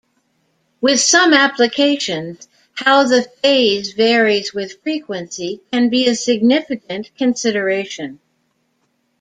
With some applications, how the phase varies with frequency can be a significant consideration.